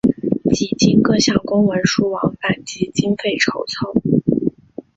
几经各项公文书往返及经费筹凑。